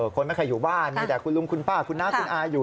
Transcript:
คนไม่เคยอยู่บ้านมีแต่คุณลุงคุณป้าคุณน้าคุณอาอยู่